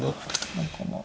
何かまあ。